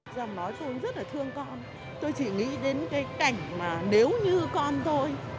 dòng nói tôi rất là thương con tôi chỉ nghĩ đến cái cảnh mà nếu như con tôi